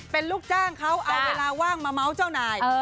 เป็นลูกจ้างเขาเอาเวลาว่างมาเมาส์เจ้านาย